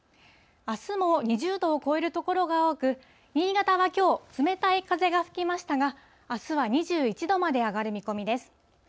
あすも２０度を超える所が多く、新潟はきょう、冷たい風が吹きましたが、あすは２１度まで上がる見込みです。